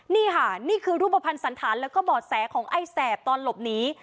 นี่ค่ะนี่คือรูปภัณฑ์สันธารแล้วก็บ่อแสของไอ้แสบตอนหลบหนี